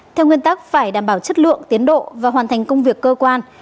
theo nguyên tắc phải đảm bảo chất lượng tiến độ và hoàn thành công việc cơ quan